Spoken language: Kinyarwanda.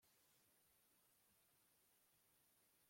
rwisumbuye ruri mu ifasi